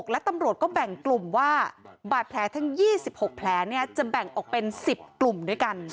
และตำรวจก็แบ่งกลุ่มว่าบาดแผลทั้ง๒๖แผลจะแบ่งออกเป็น๑๐กลุ่มด้วยกัน